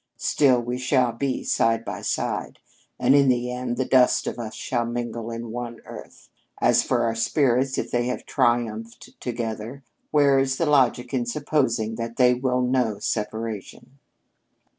Still we shall be side by side, and in the end the dust of us shall mingle in one earth. As for our spirits if they have triumphed together, where is the logic in supposing that they will know separation?"